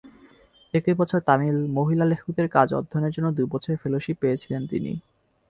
একই বছর তামিল মহিলা লেখকদের কাজ অধ্যয়নের জন্য দু'বছরের ফেলোশিপ পেয়েছিলেন তিনি।